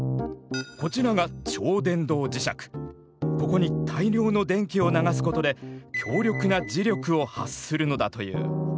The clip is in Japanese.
ここに大量の電気を流すことで強力な磁力を発するのだという。